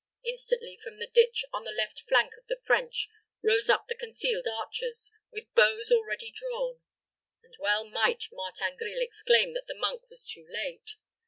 Instantly, from the ditch on the left flank of the French, rose up the concealed archers, with bows already drawn; and well might Martin Grille exclaim that the monk was too late.